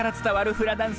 フラダンス